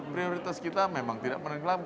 prioritas kita memang tidak menenggelamkan